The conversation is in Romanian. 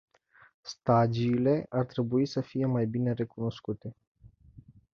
Stagiile ar trebui să fie mai bine recunoscute.